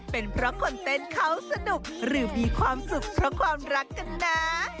เป็นเพราะคนเต้นเขาสนุกหรือมีความสุขเพราะความรักกันนะ